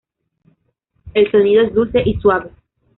El sonido es dulce y suave.